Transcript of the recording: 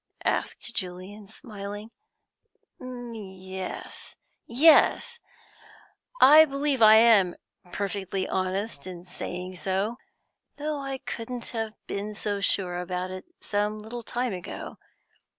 asked Julian, smiling. "Ye es; yes, I believe I am perfectly honest in saying so, though I couldn't have been so sure about it some little time ago.